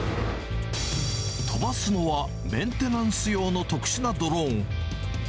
飛ばすのは、メンテナンス用の特殊なドローン。